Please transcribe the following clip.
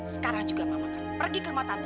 sekarang juga mama akan pergi ke rumah tante